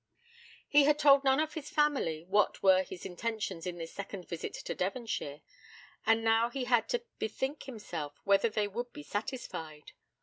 He had told none of his family what were his intentions in this second visit to Devonshire, and now he had to bethink himself whether they would be satisfied.